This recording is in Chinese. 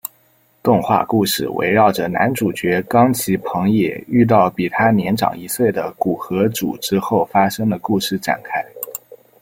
动画故事围绕着男主角冈崎朋也遇到比他年长一岁的古河渚之后发生的故事展开。